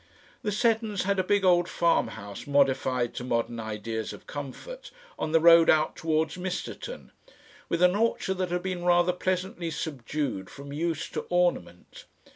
The Seddons had a big old farmhouse modified to modern ideas of comfort on the road out towards Misterton, with an orchard that had been rather pleasantly subdued from use to ornament.